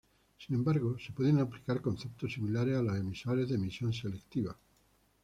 Sin embargo, se pueden aplicar conceptos similares a los emisores de emisión selectiva.